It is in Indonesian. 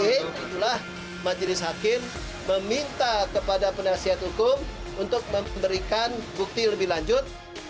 itulah majelis hakim meminta kepada penasihat hukum untuk memberikan bukti lebih lanjut